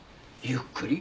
ゆっくり。